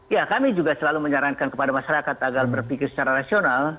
ya kami juga selalu menyarankan kepada masyarakat agar berpikir secara rasional